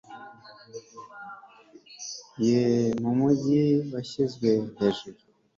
ye mu mugi washyizwe hejuru